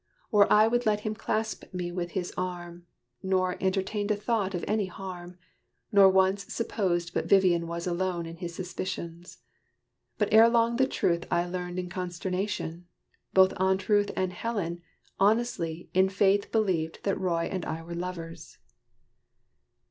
Or I would let him clasp me with his arm, Nor entertained a thought of any harm, Nor once supposed but Vivian was alone In his suspicions. But ere long the truth I learned in consternation! both Aunt Ruth And Helen, honestly, in faith believed That Roy and I were lovers.